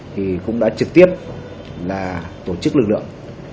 thì cũng đã trực tiếp là tổ chức lực lượng